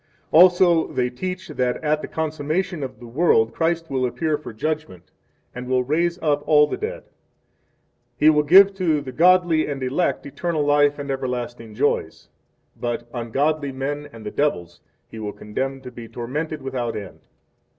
1 Also they teach that at the Consummation of the World Christ will appear for judgment, and 2 will raise up all the dead; He will give to the godly and elect eternal life and everlasting joys, 3 but ungodly men and the devils He will condemn to be tormented without end.